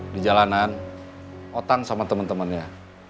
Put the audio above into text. di jalanan otang sama temen temennya